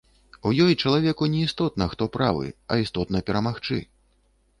У ёй чалавеку не істотна, хто правы, а істотна перамагчы.